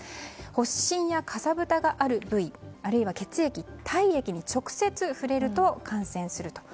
発疹やかさぶたがある部位あるいは血液、体液に直接触れると感染すると。